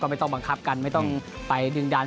ไม่ต้องบังคับกันไม่ต้องไปดึงดัน